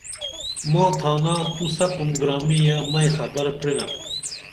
ماں تھانا تو سپُن گرامیہ مئی خبر پرِنپ